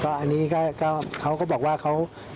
อันนี้ก็เขาก็บอกว่าเขา